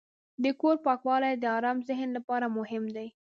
د کور پاکوالی د آرام ذهن لپاره مهم دی.